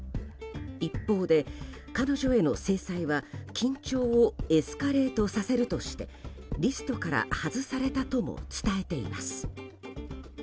一方で、彼女への制裁は緊張をエスカレートさせるとしてリストから外されたとも伝えています。